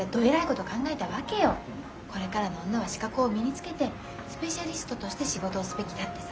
これからの女は資格を身につけてスペシャリストとして仕事をすべきだってさ。